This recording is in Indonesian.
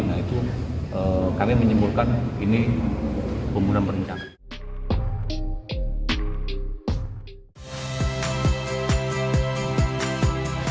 nah itu kami menyimpulkan ini pemudaran perencanaan